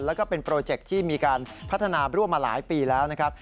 แล้วก็เป็นโปรเจคที่มีการพัฒนาร่วมมาหลายปีแล้วนะครับ